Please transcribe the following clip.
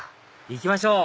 行きましょう！